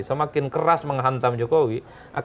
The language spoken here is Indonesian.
semakin keras menghantam jokowi